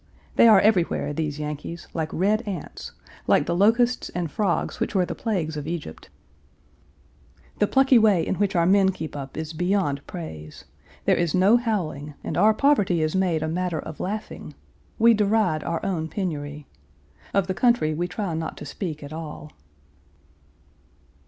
They are everywhere, these Yankees, like red ants, like the locusts and frogs which were the plagues of Egypt. Page 380 The plucky way in which our men keep up is beyond praise. There is no howling, and our poverty is made a matter of laughing. We deride our own penury. Of the country we try not to speak at all.